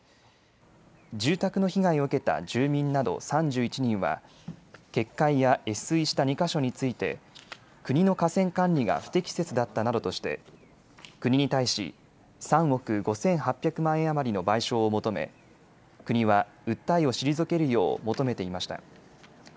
住宅の被害を受けた住民など３１人は決壊や越水した２か所について国の河川管理が不適切だったなどとして国に対し３億５８００万円余りの賠償を求め、国は訴えを退けるよう求めていました。